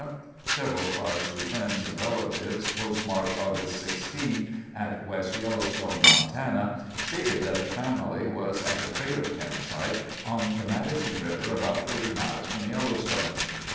Several cards to friends and relatives postmarked Aug. 16 at West Yellowstone, Montana, stated that the family was at a trailer campsite "on the Madison River, about 30 miles from Yellowstone."